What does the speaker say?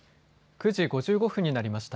９時５５分になりました。